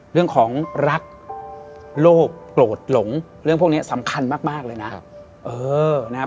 เรื่องของรักโลกโกรธหลงเรื่องพวกนี้สำคัญมากเลยนะ